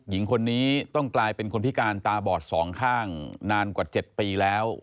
หญิงคนนี้ต้องกลายเป็นคนพิการตาบอดสองข้างนานกว่า๗ปีแล้ว